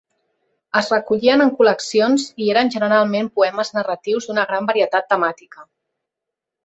Es recollien en col·leccions i eren generalment poemes narratius d'una gran varietat temàtica.